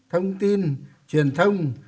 thông tin truyền thông